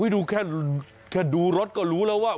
ดูแค่ดูรถก็รู้แล้วว่า